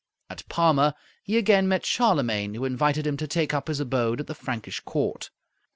At Parma he again met Charlemagne, who invited him to take up his abode at the Frankish court.